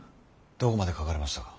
どこまで書かれましたか。